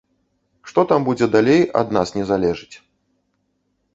Што там будзе далей, ад нас не залежыць.